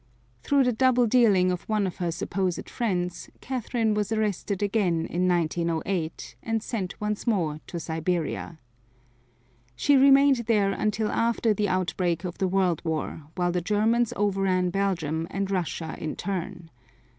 Through the double dealing of one of her supposed friends, Catherine was arrested again in 1908 and sent once more to Siberia. She remained there until after the outbreak of the World War, while the Germans overran Belgium and Russia in turn.